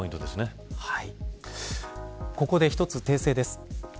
ここで、１つ訂正です。